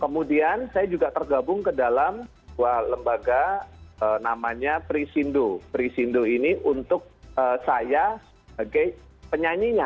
kemudian saya juga tergabung ke dalam dua lembaga namanya prisindo prisindo ini untuk saya sebagai penyanyinya